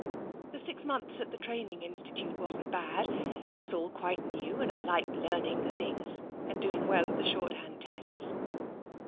The six months at the training institute wasn't bad; it was all quite new, and I liked learning the things, and doing well in the shorthand tests.